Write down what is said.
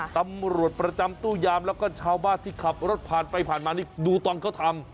ตำรวจประจำตู้ยามแล้วก็ชาวบ้านที่ขับรถผ่านไปผ่านมานี่ดูตอนเขาทำ